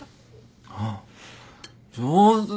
あっ上手！